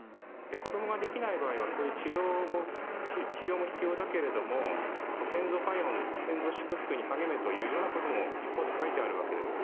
子どもができない場合はそういう治療も必要だけれども、先祖解怨、先祖祝福に励めというようなことも一方では書いてあるわけです。